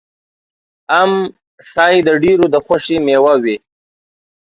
ام ښایي د ډېرو د خوښې مېوه وي.